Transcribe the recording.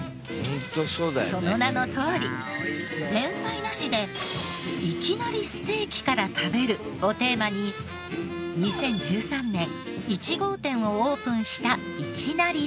その名のとおり「前菜なしでいきなりステーキから食べる」をテーマに２０１３年１号店をオープンしたいきなり！